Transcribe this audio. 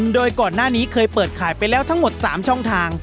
โดยก่อนหน้านี้เคยเปิดขายไปแล้วทั้งหมด๓ช่องทาง